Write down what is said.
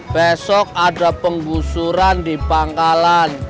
besok ada penggusuran di pangkalan